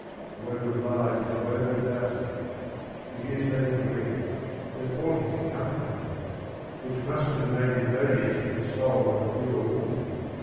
A web of lies is woven about him. She hears letters read, purporting to come from him, which must have made him odious to the soul of a pure woman.